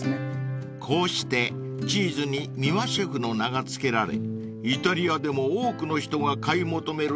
［こうしてチーズに三輪シェフの名が付けられイタリアでも多くの人が買い求める人気商品になったんだとか］